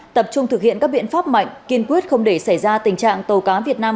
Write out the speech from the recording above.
tập trung thực hiện các biện pháp mạnh kiên quyết không để xảy ra tình trạng tàu cá việt nam